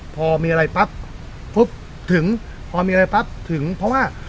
พอมีอะไรปั๊บปุ๊บถึงพอมีอะไรปั๊บถึงเพราะว่า